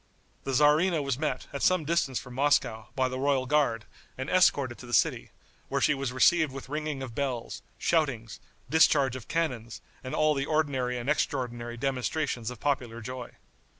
The tzarina was met, at some distance from Moscow, by the royal guard, and escorted to the city, where she was received with ringing of bells, shoutings, discharge of cannons and all the ordinary and extraordinary demonstrations of popular joy.